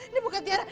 ini bukan tiara